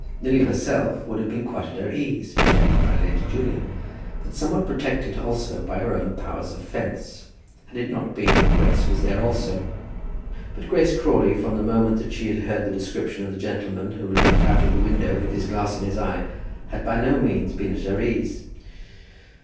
Lily herself would have been quite at her ease, protected by Lady Julia, and somewhat protected also by her own powers of fence, had it not been that Grace was there also. But Grace Crawley, from the moment that she had heard the description of the gentleman who looked out of the window with his glass in his eye, had by no means been at her ease.